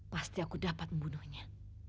pasti aku dapat membunuhnya